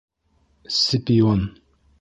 Сципион!